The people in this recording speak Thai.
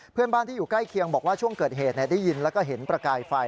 เพื่อนบ้านที่อยู่ใกล้เคียงบอกว่าช่วงเกิดเหตุได้ยินแล้วก็เห็นประกายไฟ